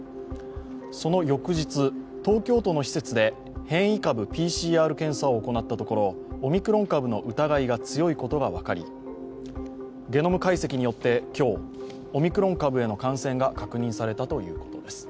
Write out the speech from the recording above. その翌日、東京都の施設で変異株ＰＣＲ検査を行ったところオミクロン株の疑いが強いことが分かりゲノム解析によって今日、オミクロン株への感染が確認されたということです。